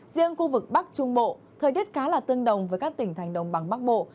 riêng khu vực bắc trung bộ thời tiết khá là tương đồng với các tỉnh thành đồng bằng bắc bộ